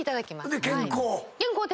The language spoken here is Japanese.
で健康？